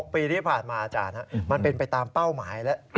ปีที่ผ่านมาอาจารย์มันเป็นไปตามเป้าหมายแล้ว